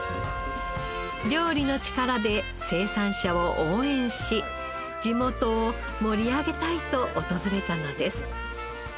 料理の力で生産者を応援し地元を盛り上げたいと訪れたのです。